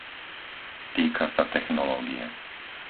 Týka sa technológie.